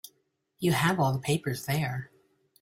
You have all the papers there.